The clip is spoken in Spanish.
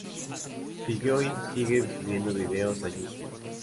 Siguió y sigue subiendo vídeos a youtube.